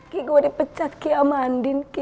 ki gue dipecat sama andin ki